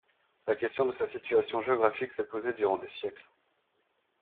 La question de sa situation géographique s'est posée durant des siècles.